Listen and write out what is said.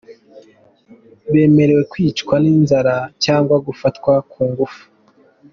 Bemera kwicwa n’inzara cyangwa gufatwa ku ngufu.